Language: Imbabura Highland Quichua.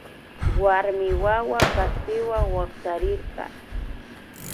Warmi wawa kaspiwa waktarirka